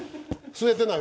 吸えてない。